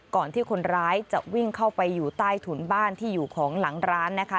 ก่อนที่คนร้ายจะวิ่งเข้าไปอยู่ใต้ถุนบ้านที่อยู่ของหลังร้านนะคะ